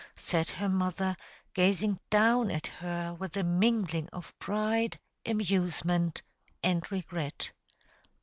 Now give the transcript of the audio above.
said her mother, gazing down at her with a mingling of pride, amusement, and regret.